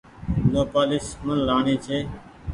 نوپآليس من لآڻي ڇي۔